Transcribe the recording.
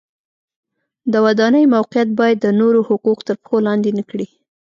د ودانیو موقعیت باید د نورو حقوق تر پښو لاندې نه کړي.